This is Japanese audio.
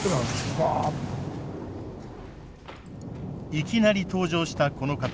いきなり登場したこの方。